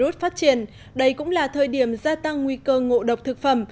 bệnh nhân phát triển đây cũng là thời điểm gia tăng nguy cơ ngộ độc thực phẩm